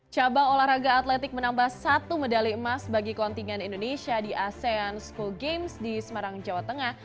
cabang olahraga atletik menambah satu medali emas bagi kontingen indonesia di asean school games di semarang jawa tengah